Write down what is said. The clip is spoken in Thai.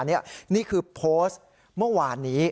นี่คือโพสต์เมื่อวานนี้